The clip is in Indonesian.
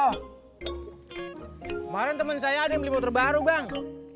kemarin teman saya ada yang beli motor baru bang